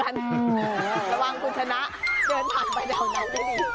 ระวังคุณชนะเดินผ่านไปเดี๋ยวนับให้ดี